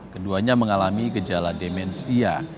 keduanya mengalami gejala demensia